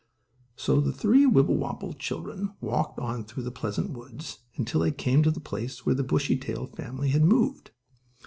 So the three Wibblewobble children walked on through the pleasant woods, until they came to the place where the Bushytail family had moved.